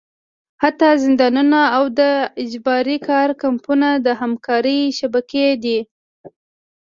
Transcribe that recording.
حتی زندانونه او د اجباري کار کمپونه د همکارۍ شبکې دي.